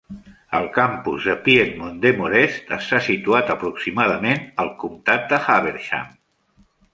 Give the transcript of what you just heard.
El campus de Piedmont Demorest està situat aproximadament al comtat de Habersham.